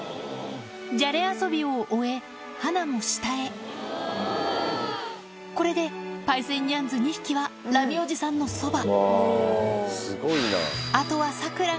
じゃれ遊びを終えハナも下へこれでパイセンニャンズ２匹はラミおじさんのそば